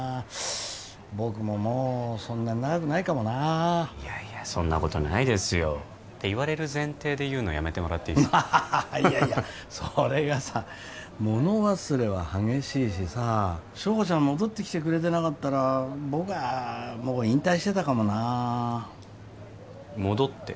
僕ももうそんな長くないかもないやいやそんなことないですよって言われる前提で言うのやめてもらっていいですかハハハッいやいやそれがさ物忘れは激しいしさ硝子ちゃん戻ってきてくれてなかったら僕はもう引退してたかもな戻って？